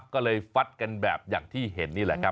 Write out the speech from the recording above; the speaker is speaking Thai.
ก็เลยฟัดกันแบบอย่างที่เห็นนี่แหละครับ